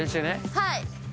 はい。